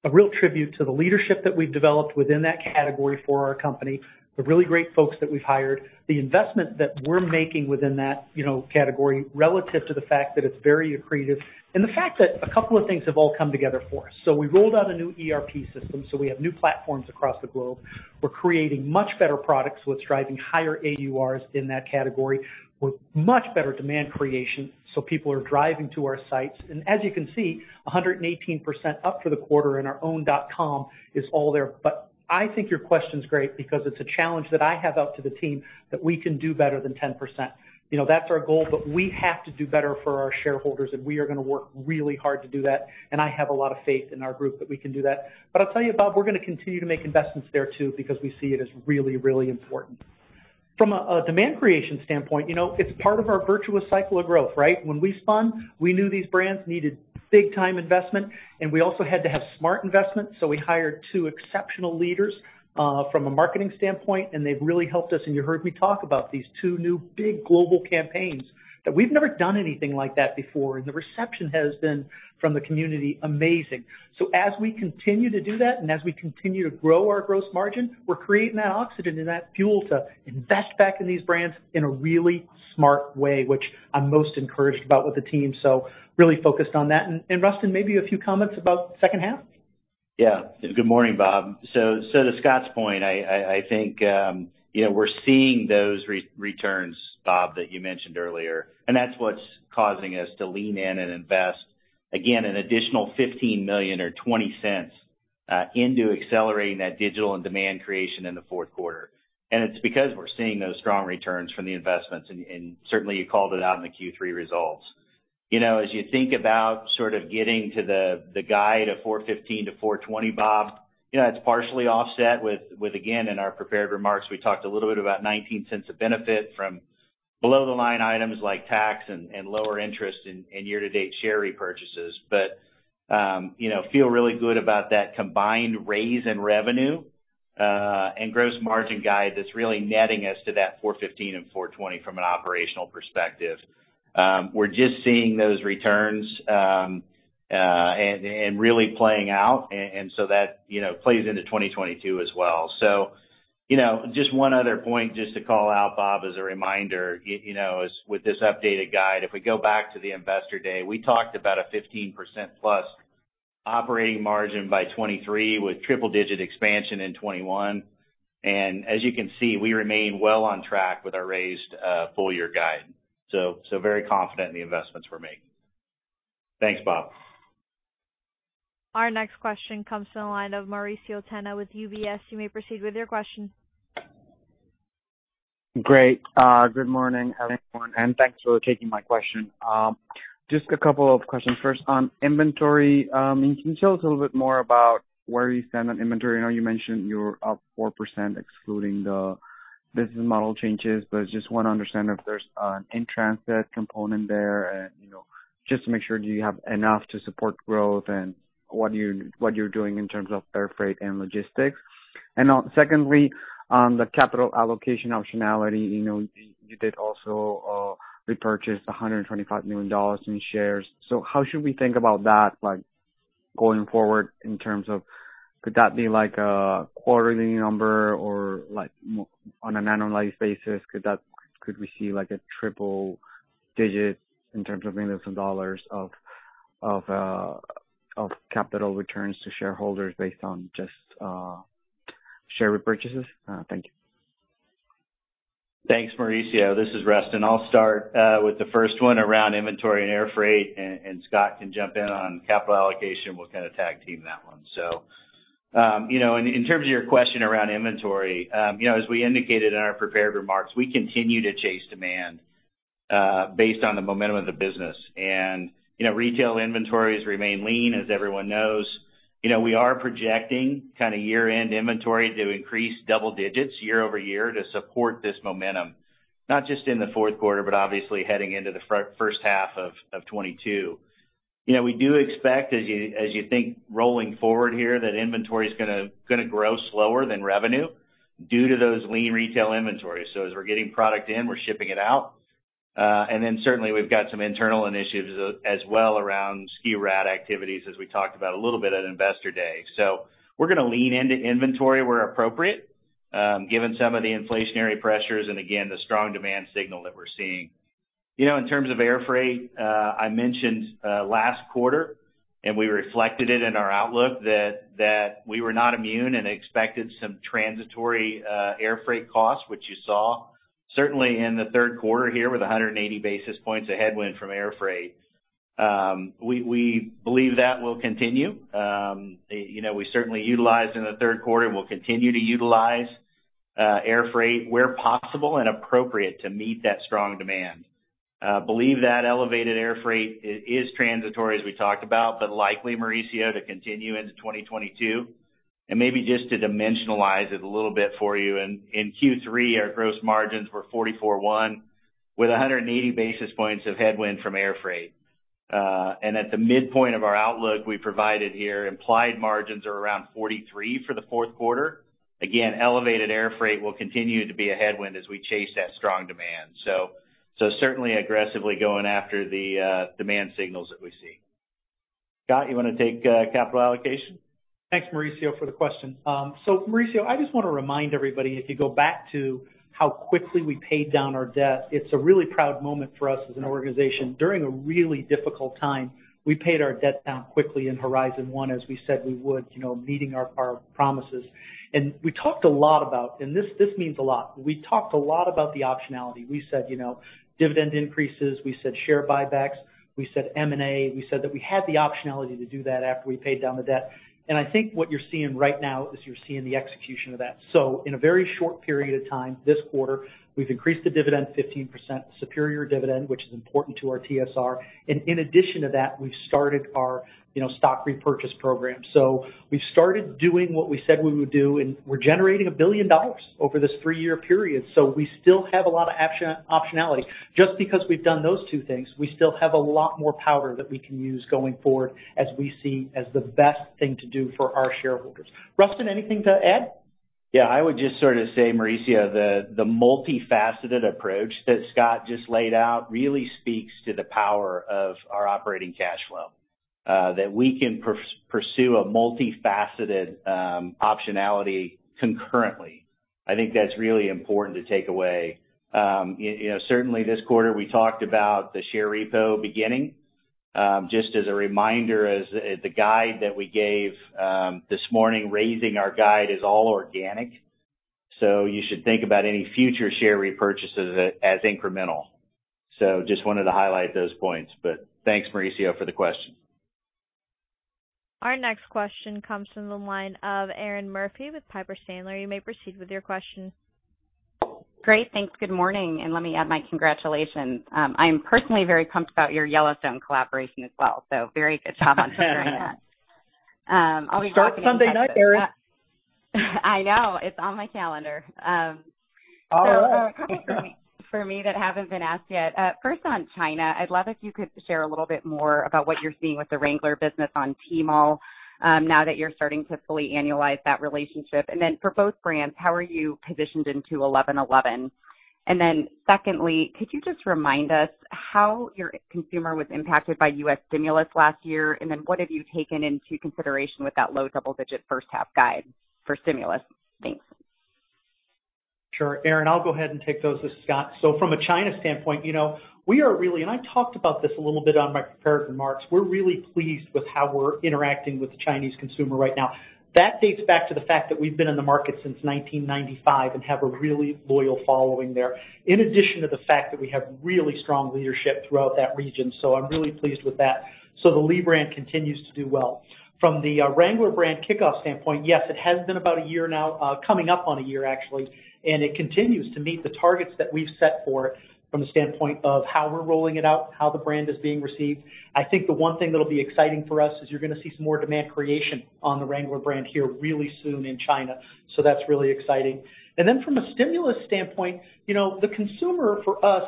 a real tribute to the leadership that we've developed within that category for our company, the really great folks that we've hired, the investment that we're making within that, you know, category relative to the fact that it's very accretive and the fact that a couple of things have all come together for us. We rolled out a new ERP system, so we have new platforms across the globe. We're creating much better products, so it's driving higher AURs in that category with much better demand creation, so people are driving to our sites. As you can see, 118% up for the quarter and our own .com is all there. I think your question's great because it's a challenge that I have out to the team that we can do better than 10%. You know, that's our goal, but we have to do better for our shareholders and we are gonna work really hard to do that. I have a lot of faith in our group that we can do that. I'll tell you, Bob, we're gonna continue to make investments there too, because we see it as really, really important. From a demand creation standpoint, you know, it's part of our virtuous cycle of growth, right? When we spun, we knew these brands needed big time investment, and we also had to have smart investments, so we hired two exceptional leaders from a marketing standpoint, and they've really helped us. You heard me talk about these two new big global campaigns that we've never done anything like that before, and the reception has been, from the community, amazing. As we continue to do that, and as we continue to grow our gross margin, we're creating that oxygen and that fuel to invest back in these brands in a really smart way, which I'm most encouraged about with the team, so really focused on that. Rustin, maybe a few comments about second half. Yeah. Good morning, Bob. To Scott's point, I think you know, we're seeing those returns, Bob, that you mentioned earlier, and that's what's causing us to lean in and invest again an additional $15 million or 20 cents into accelerating that digital and demand creation in the fourth quarter. It's because we're seeing those strong returns from the investments and certainly you called it out in the Q3 results. You know, as you think about sort of getting to the guide of $415-$420, Bob, you know, it's partially offset with again, in our prepared remarks, we talked a little bit about 19 cents of benefit from below the line items like tax and lower interest in year-to-date share repurchases. You know, feel really good about that combined raise in revenue and gross margin guide that's really netting us to that $4.15-$4.20 from an operational perspective. We're just seeing those returns and really playing out and so that, you know, plays into 2022 as well. You know, just one other point just to call out, Bob, as a reminder, you know, as with this updated guide, if we go back to the Investor Day, we talked about a 15%+ operating margin by 2023 with triple digit expansion in 2021. As you can see, we remain well on track with our raised full year guide. Very confident in the investments we're making. Thanks, Bob. Our next question comes from the line of Mauricio Serna with UBS. You may proceed with your question. Great. Good morning, everyone, and thanks for taking my question. Just a couple of questions. First, on inventory, can you tell us a little bit more about where you stand on inventory? I know you mentioned you're up 4% excluding the business model changes, but I just wanna understand if there's an in-transit component there and, you know, just to make sure you have enough to support growth and what you're doing in terms of air freight and logistics. Secondly, on the capital allocation optionality, you know, you did also repurchase $125 million in shares. How should we think about that, like, going forward in terms of could that be like a quarterly number or like on an annualized basis? Could we see like a triple digit in terms of millions of dollars of capital returns to shareholders based on just share repurchases? Thank you. Thanks, Mauricio. This is Rustin. I'll start with the first one around inventory and air freight, and Scott can jump in on capital allocation. We'll kind of tag team that one. You know, in terms of your question around inventory, you know, as we indicated in our prepared remarks, we continue to chase demand based on the momentum of the business. You know, retail inventories remain lean, as everyone knows. You know, we are projecting kinda year-end inventory to increase double digits year-over-year to support this momentum, not just in the fourth quarter, but obviously heading into the first half of 2022. You know, we do expect, as you think rolling forward here, that inventory's gonna grow slower than revenue due to those lean retail inventories. As we're getting product in, we're shipping it out. Certainly we've got some internal initiatives as well around SKU rationalization activities, as we talked about a little bit at Investor Day. We're gonna lean into inventory where appropriate, given some of the inflationary pressures and again, the strong demand signal that we're seeing. You know, in terms of air freight, I mentioned last quarter, and we reflected it in our outlook, that we were not immune and expected some transitory air freight costs, which you saw certainly in the third quarter here with 180 basis points of headwind from air freight. We believe that will continue. You know, we certainly utilized in the third quarter and we'll continue to utilize air freight where possible and appropriate to meet that strong demand. Believe that elevated air freight is transitory as we talked about, but likely, Mauricio, to continue into 2022. Maybe just to dimensionalize it a little bit for you, in Q3, our gross margins were 44.1% with 180 basis points of headwind from air freight. At the midpoint of our outlook we provided here, implied margins are around 43% for the fourth quarter. Again, elevated air freight will continue to be a headwind as we chase that strong demand. Certainly aggressively going after the demand signals that we see. Scott, you wanna take capital allocation? Thanks, Mauricio, for the question. Mauricio, I just wanna remind everybody, if you go back to how quickly we paid down our debt, it's a really proud moment for us as an organization. During a really difficult time, we paid our debt down quickly in Horizon 1, as we said we would, you know, meeting our promises. This means a lot. We talked a lot about the optionality. We said, you know, dividend increases, we said share buybacks, we said M&A, we said that we had the optionality to do that after we paid down the debt. I think what you're seeing right now is you're seeing the execution of that. In a very short period of time this quarter, we've increased the dividend 15%, superior dividend, which is important to our TSR. In addition to that, we've started our, you know, stock repurchase program. We've started doing what we said we would do, and we're generating $1 billion over this three-year period. We still have a lot of optionality. Just because we've done those two things, we still have a lot more powder that we can use going forward as we see as the best thing to do for our shareholders. Rustin, anything to add? Yeah, I would just sort of say, Mauricio, the multifaceted approach that Scott just laid out really speaks to the power of our operating cash flow, that we can pursue a multifaceted optionality concurrently. I think that's really important to take away. You know, certainly this quarter we talked about the share repo beginning. Just as a reminder, as the guide that we gave this morning, raising our guide is all organic. You should think about any future share repurchases as incremental. Just wanted to highlight those points, but thanks, Mauricio, for the question. Our next question comes from the line of Erinn Murphy with Piper Sandler. You may proceed with your question. Great. Thanks. Good morning, and let me add my congratulations. I am personally very pumped about your Yellowstone collaboration as well, so very good job on figuring that. I'll be watching. Start Sunday night, Erin. I know it's on my calendar. All right. for me that haven't been asked yet. First on China, I'd love if you could share a little bit more about what you're seeing with the Wrangler business on Tmall, now that you're starting to fully annualize that relationship. For both brands, how are you positioned into 11.11? Secondly, could you just remind us how your consumer was impacted by U.S. stimulus last year? What have you taken into consideration with that low double-digit first half guide for stimulus? Thanks. Sure. Erinn, I'll go ahead and take those. This is Scott. From a China standpoint, you know, and I talked about this a little bit on my prepared remarks. We're really pleased with how we're interacting with the Chinese consumer right now. That dates back to the fact that we've been in the market since 1995 and have a really loyal following there, in addition to the fact that we have really strong leadership throughout that region. I'm really pleased with that. The Lee brand continues to do well. From the Wrangler brand kickoff standpoint, yes, it has been about a year now, coming up on a year actually, and it continues to meet the targets that we've set for it from the standpoint of how we're rolling it out, how the brand is being received. I think the one thing that'll be exciting for us is you're gonna see some more demand creation on the Wrangler brand here really soon in China. That's really exciting. Then from a stimulus standpoint, you know, the consumer for us,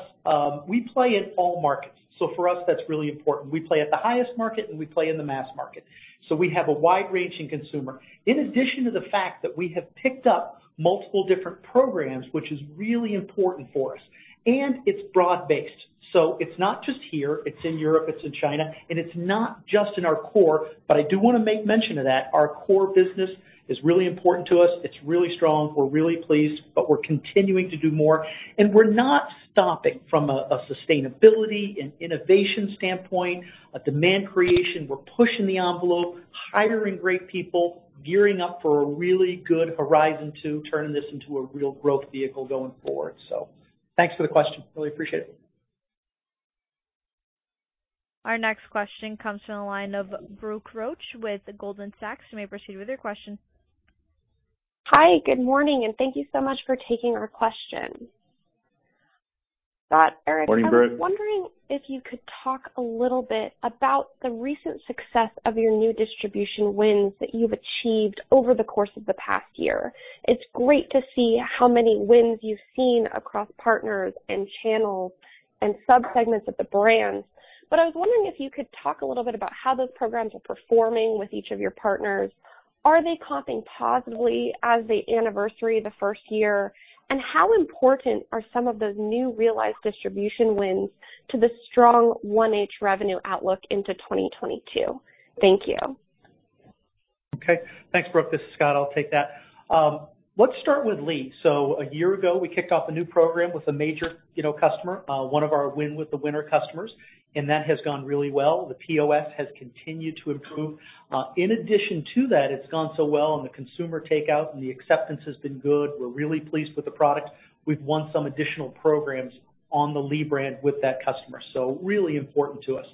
we play in all markets. For us that's really important. We play at the highest market, and we play in the mass market. We have a wide-ranging consumer. In addition to the fact that we have picked up multiple different programs, which is really important for us, and it's broad-based. It's not just here, it's in Europe, it's in China, and it's not just in our core, but I do wanna make mention of that. Our core business is really important to us. It's really strong. We're really pleased, but we're continuing to do more. We're not stopping from a sustainability and innovation standpoint, demand creation. We're pushing the envelope, hiring great people, gearing up for a really good Horizon 2 turning this into a real growth vehicle going forward. Thanks for the question. Really appreciate it. Our next question comes from the line of Brooke Roach with Goldman Sachs. You may proceed with your question. Hi. Good morning, and thank you so much for taking our question. Scott, Erinn. Morning, Brooke. I was wondering if you could talk a little bit about the recent success of your new distribution wins that you've achieved over the course of the past year. It's great to see how many wins you've seen across partners and channels and subsegments of the brands, but I was wondering if you could talk a little bit about how those programs are performing with each of your partners. Are they comping positively as they anniversary the first year? How important are some of those new realized distribution wins to the strong 1H revenue outlook into 2022? Thank you. Okay. Thanks, Brooke. This is Scott. I'll take that. Let's start with Lee. A year ago we kicked off a new program with a major, you know, customer, one of our win with the winter customers, and that has gone really well. The POS has continued to improve. In addition to that, it's gone so well on the consumer takeout and the acceptance has been good. We're really pleased with the product. We've won some additional programs on the Lee brand with that customer, so really important to us.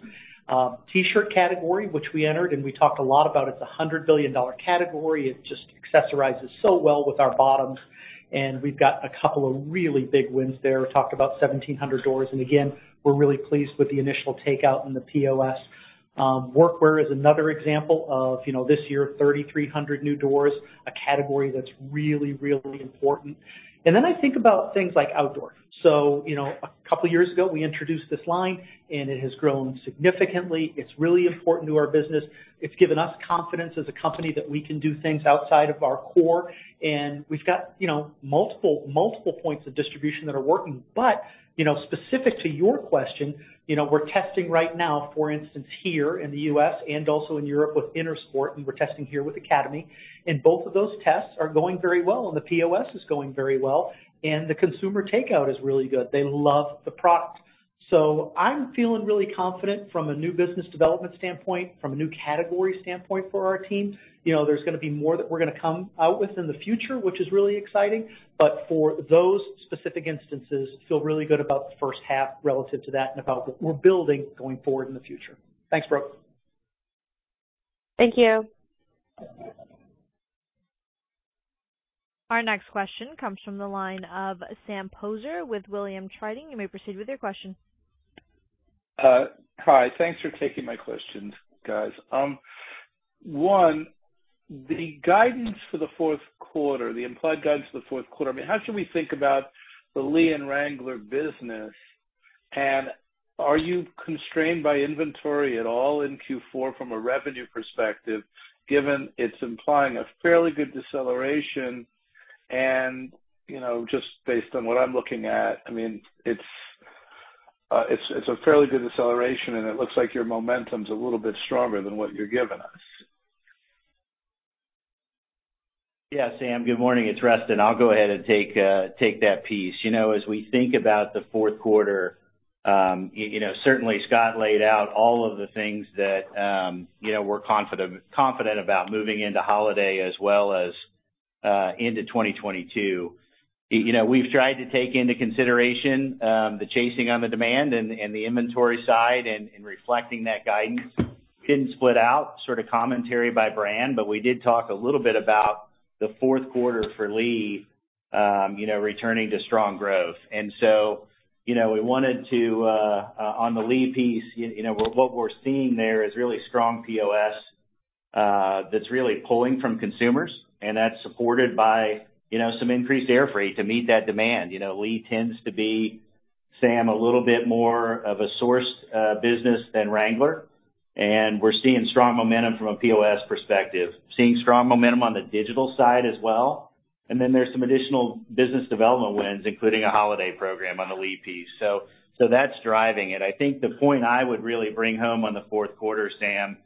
T-shirt category, which we entered, and we talked a lot about, it's a $100 billion category. It just accessorizes so well with our bottoms, and we've got a couple of really big wins there. We talked about 1,700 doors, and again, we're really pleased with the initial takeout in the POS. Workwear is another example of, you know, this year, 3,300 new doors, a category that's really important. I think about things like outdoor. You know, a couple years ago we introduced this line, and it has grown significantly. It's really important to our business. It's given us confidence as a company that we can do things outside of our core, and we've got, you know, multiple points of distribution that are working. You know, specific to your question, you know, we're testing right now, for instance, here in the U.S. and also in Europe with INTERSPORT, and we're testing here with Academy, and both of those tests are going very well, and the POS is going very well, and the consumer takeout is really good. They love the product. I'm feeling really confident from a new business development standpoint, from a new category standpoint for our team. You know, there's gonna be more that we're gonna come out with in the future, which is really exciting. For those specific instances, feel really good about the first half relative to that and about what we're building going forward in the future. Thanks, Brooke. Thank you. Our next question comes from the line of Sam Poser with Williams Trading. You may proceed with your question. Hi. Thanks for taking my questions, guys. One, the implied guidance for the fourth quarter, I mean, how should we think about the Lee and Wrangler business? Are you constrained by inventory at all in Q4 from a revenue perspective, given it's implying a fairly good deceleration and, you know, just based on what I'm looking at, I mean, it's a fairly good deceleration, and it looks like your momentum's a little bit stronger than what you're giving us. Yeah, Sam, good morning, it's Rustin. I'll go ahead and take that piece. You know, as we think about the fourth quarter, you know, certainly Scott laid out all of the things that, you know, we're confident about moving into holiday as well as into 2022. You know, we've tried to take into consideration the chasing on the demand and the inventory side and reflecting that guidance. Didn't split out sort of commentary by brand, but we did talk a little bit about the fourth quarter for Lee, you know, returning to strong growth. You know, we wanted to on the Lee piece, you know, what we're seeing there is really strong POS that's really pulling from consumers, and that's supported by, you know, some increased airfreight to meet that demand. You know, Lee tends to be, Sam, a little bit more of a sourced business than Wrangler, and we're seeing strong momentum from a POS perspective, seeing strong momentum on the digital side as well. Then there's some additional business development wins, including a holiday program on the Lee piece. So that's driving it. I think the point I would really bring home on the fourth quarter, Sam,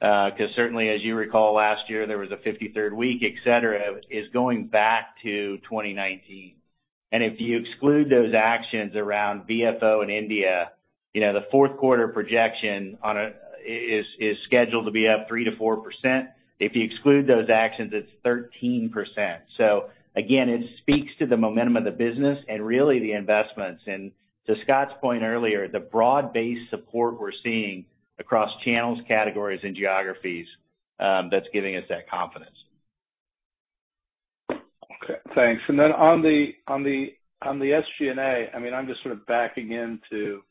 'cause certainly as you recall last year, there was a 53rd week, et cetera, is going back to 2019. If you exclude those actions around VFO and India, you know, the fourth quarter projection is scheduled to be up 3%-4%. If you exclude those actions, it's 13%. So again, it speaks to the momentum of the business and really the investments. To Scott's point earlier, the broad-based support we're seeing across channels, categories, and geographies, that's giving us that confidence. Okay, thanks. Then on the SG&A, I mean, I'm just sort of backing into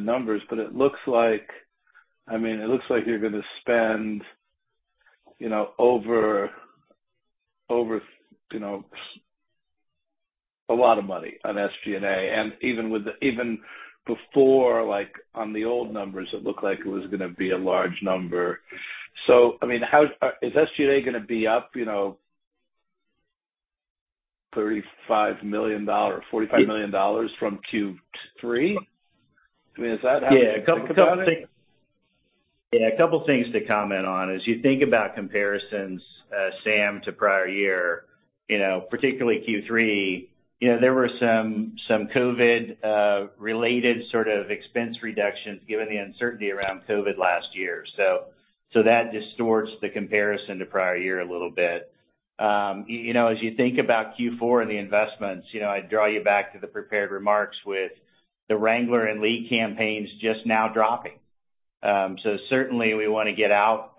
numbers, but it looks like you're gonna spend, you know, over a lot of money on SG&A. Even before, like on the old numbers, it looked like it was gonna be a large number. I mean, how is SG&A gonna be up, you know, $35 million or $45 million from Q3? I mean, is that how you think about it? A couple of things to comment on. As you think about comparisons, Sam, to prior year, you know, particularly Q3, you know, there were some COVID related sort of expense reductions given the uncertainty around COVID last year. That distorts the comparison to prior year a little bit. You know, as you think about Q4 and the investments, you know, I draw you back to the prepared remarks with the Wrangler and Lee campaigns just now dropping. Certainly we wanna get out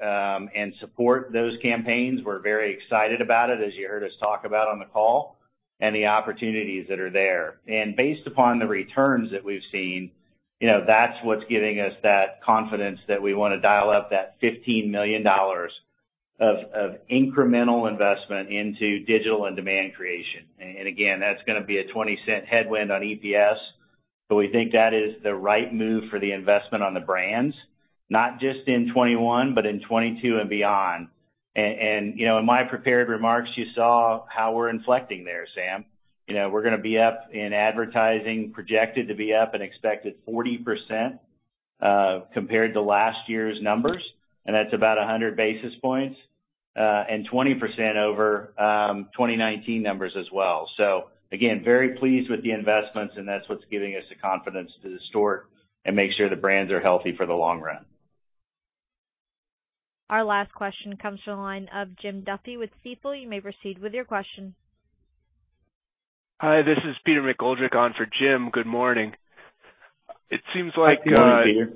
and support those campaigns. We're very excited about it, as you heard us talk about on the call, and the opportunities that are there. Based upon the returns that we've seen, you know, that's what's giving us that confidence that we wanna dial up that $15 million of incremental investment into digital and demand creation. Again, that's gonna be a $0.20 headwind on EPS, but we think that is the right move for the investment on the brands, not just in 2021, but in 2022 and beyond. You know, in my prepared remarks, you saw how we're inflecting there, Sam. You know, we're gonna be up in advertising, projected to be up an expected 40%, compared to last year's numbers, and that's about 100 basis points, and 20% over 2019 numbers as well. Again, very pleased with the investments, and that's what's giving us the confidence to distort and make sure the brands are healthy for the long run. Our last question comes from the line of Jim Duffy with Stifel. You may proceed with your question. Hi, this is Peter McGoldrick on for Jim. Good morning. It seems like, Good morning, Peter.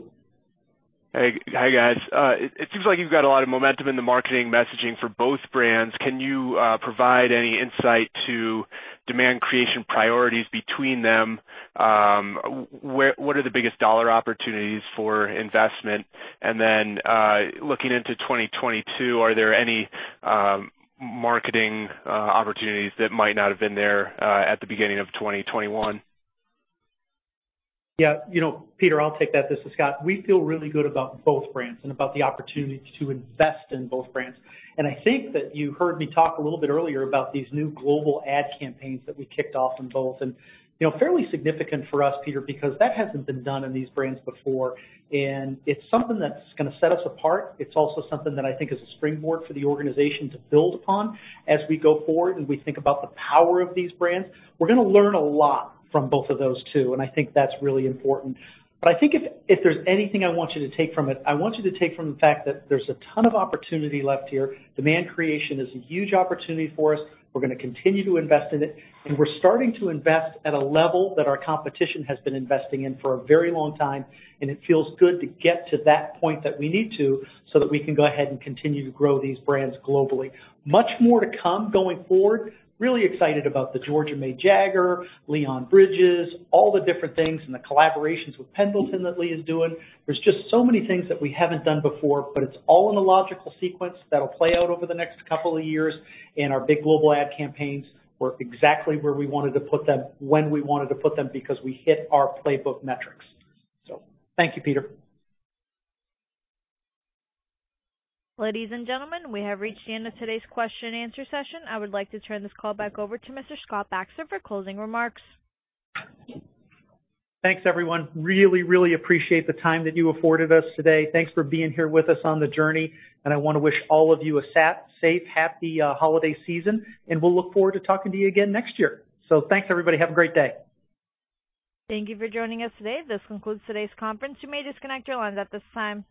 Hey. Hi guys. It seems like you've got a lot of momentum in the marketing messaging for both brands. Can you provide any insight to demand creation priorities between them? What are the biggest dollar opportunities for investment? Then, looking into 2022, are there any marketing opportunities that might not have been there at the beginning of 2021? Yeah. You know, Peter, I'll take that. This is Scott. We feel really good about both brands and about the opportunity to invest in both brands. I think that you heard me talk a little bit earlier about these new global ad campaigns that we kicked off in both. You know, fairly significant for us, Peter, because that hasn't been done in these brands before, and it's something that's gonna set us apart. It's also something that I think is a springboard for the organization to build upon as we go forward and we think about the power of these brands. We're gonna learn a lot from both of those two, and I think that's really important. I think if there's anything I want you to take from it, I want you to take from the fact that there's a ton of opportunity left here. Demand creation is a huge opportunity for us. We're gonna continue to invest in it, and we're starting to invest at a level that our competition has been investing in for a very long time, and it feels good to get to that point that we need to, so that we can go ahead and continue to grow these brands globally. Much more to come going forward. Really excited about the Georgia May Jagger, Leon Bridges, all the different things, and the collaborations with Pendleton that Lee is doing. There's just so many things that we haven't done before, but it's all in a logical sequence that'll play out over the next couple of years, and our big global ad campaigns were exactly where we wanted to put them, when we wanted to put them because we hit our playbook metrics. So thank you, Peter. Ladies and gentlemen, we have reached the end of today's question and answer session. I would like to turn this call back over to Mr. Scott Baxter for closing remarks. Thanks, everyone. Really, really appreciate the time that you afforded us today. Thanks for being here with us on the journey, and I wanna wish all of you a safe, happy, holiday season, and we'll look forward to talking to you again next year. Thanks, everybody. Have a great day. Thank you for joining us today. This concludes today's conference. You may disconnect your lines at this time.